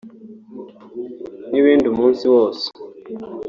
n’ibindi umunsi wose